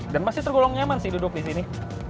dan masih tergolong nyaman sih duduk di sini